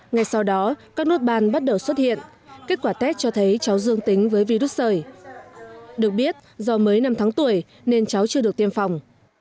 ngay sau đó các nốt ban bắt đầu xuất hiện kết quả test cho thấy cháu dương tính với virus sởi được biết do mới năm tháng tuổi nên cháu chưa được tiêm phòng